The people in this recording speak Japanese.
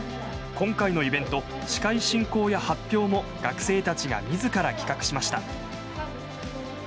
今回のイベント司会進行や発表も学生たちが自ら企画しました。